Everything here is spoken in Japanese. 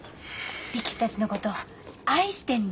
力士たちのこと愛してんだ。